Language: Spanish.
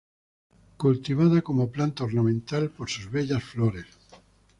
Cultivada como planta ornamental por sus bellas flores.